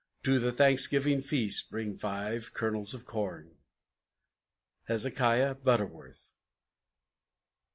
To the Thanksgiving Feast bring Five Kernels of Corn! HEZEKIAH BUTTERWORTH.